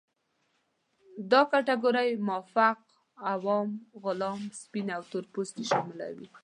دا کټګورۍ مافوق، عوام، غلام، سپین او تور پوستې شاملوي.